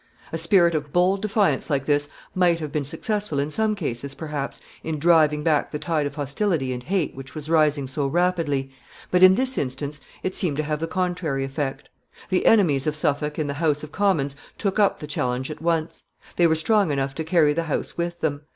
] A spirit of bold defiance like this might have been successful in some cases, perhaps, in driving back the tide of hostility and hate which was rising so rapidly, but in this instance it seemed to have the contrary effect. The enemies of Suffolk in the House of Commons took up the challenge at once. They were strong enough to carry the house with them.